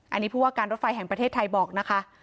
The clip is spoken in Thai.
อันนี้ผู้ว่าการรถไฟแห่งประเทศไทยบอกนะคะ